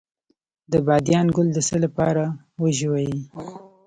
د بادیان ګل د څه لپاره وژويئ؟